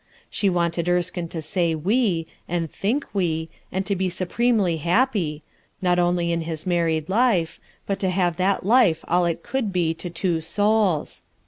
She wanted Erskine to say "we" and think "we" and to be supremely happy, — not only in his married life, but to have that life all that it could be to two souls.